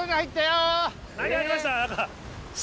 何入りました？